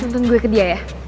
nonton gue ke dia ya